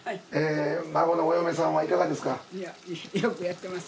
孫のお嫁さんはいかがですか？